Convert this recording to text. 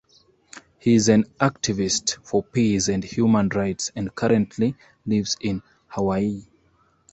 He is an activist for peace and human rights and currently lives in Hawaii.